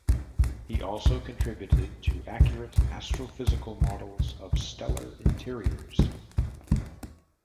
He also contributed to accurate astrophysical models of stellar interiors.